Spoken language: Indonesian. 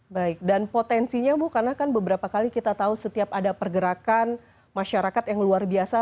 baik dan potensinya bu karena kan beberapa kali kita tahu setiap ada pergerakan masyarakat yang luar biasa